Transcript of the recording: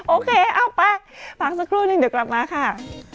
โอเคเอาไปพักสักครู่นึงเดี๋ยวกลับมาค่ะ